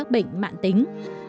bệnh mạng tính